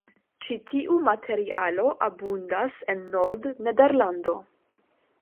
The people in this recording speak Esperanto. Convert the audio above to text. Ĉi tiu materialo abundas en Nord-Nederlando.